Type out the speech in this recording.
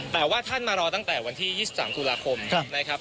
แต่ว่าท่านมารอตั้งแต่วันที่๒๓ตุลาคมนะครับ